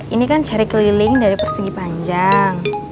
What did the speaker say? ini kan cari keliling dari persegi panjang